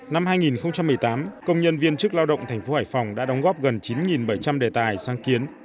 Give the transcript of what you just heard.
năm hai nghìn một mươi tám công nhân viên chức lao động thành phố hải phòng đã đóng góp gần chín bảy trăm linh đề tài sáng kiến